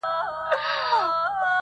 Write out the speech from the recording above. o مرگ کله نخرې کوي، کله پردې کوي.